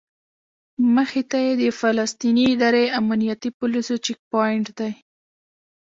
مخې ته یې د فلسطیني ادارې امنیتي پولیسو چیک پواینټ دی.